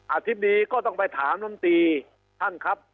อธิบดีก็ต้องไปถามลำตีท่านครับ